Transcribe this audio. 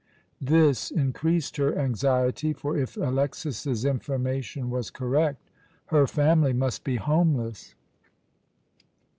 This increased her anxiety, for if Alexas's information was correct, her family must be homeless.